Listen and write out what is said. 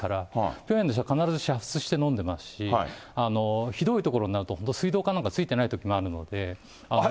ピョンヤンの人は必ず煮沸して飲んでますし、ひどい所になると本当、水道管なんかついてないときもあるので。